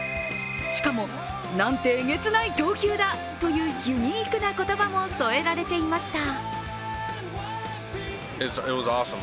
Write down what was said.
しかも、「なんてえげつない投球だ」というユニークな言葉も添えられていました。